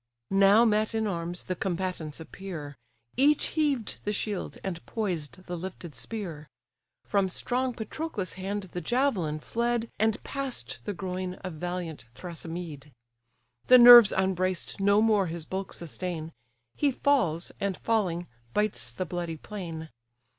Now met in arms, the combatants appear; Each heaved the shield, and poised the lifted spear; From strong Patroclus' hand the javelin fled, And pass'd the groin of valiant Thrasymed; The nerves unbraced no more his bulk sustain, He falls, and falling bites the bloody plain.